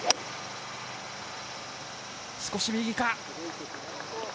少し右か？